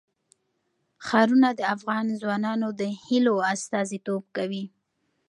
ښارونه د افغان ځوانانو د هیلو استازیتوب کوي.